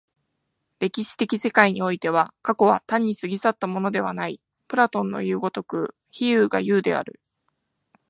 歴史的世界においては、過去は単に過ぎ去ったものではない、プラトンのいう如く非有が有である。